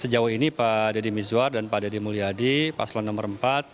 jawa ini pak deddy mizwar dan pak deddy mulyadi pak sulawesi nomor empat